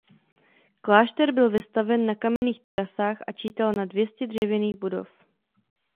Klášter byl vystaven na kamenných terasách a čítal na dvě stě dřevěných budov.